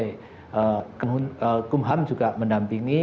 jadi kumham juga mendampingi